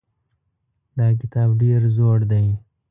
دا کتاب ډېر زوړ دی.